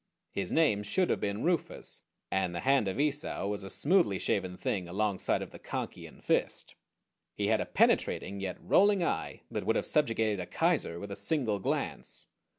His name should have been Rufus, and the hand of Esau was a smoothly shaven thing alongside of the Conkian fist. He had a penetrating, yet rolling eye that would have subjugated a Kaiser with a single glance.